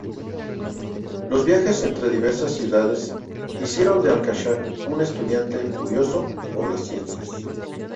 Los viajes entre diversas ciudades hicieron de Al-Kashi un estudiante curioso por las ciencias.